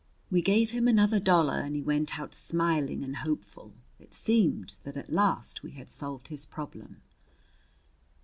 We gave him another dollar and he went out smiling and hopeful. It seemed that at last we had solved his problem.